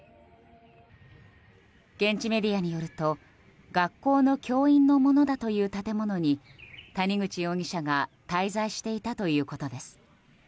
現地メディアによると学校の教員のものだという建物に谷口容疑者が滞在していたということです。